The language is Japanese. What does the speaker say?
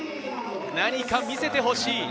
何か見せてほしい。